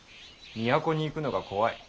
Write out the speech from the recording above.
都に行くのが怖い。